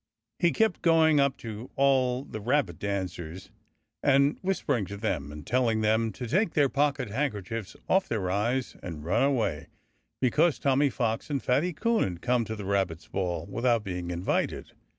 He kept going up to all the rabbit dancers, and whispering to them, and telling them to take their pocket handkerchiefs off their eyes and run away, because Tommy Fox and Fatty Coon had come to the Rabbits' Ball, without being invited.